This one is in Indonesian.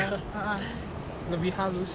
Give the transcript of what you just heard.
mulutnya jadi lebih halus ya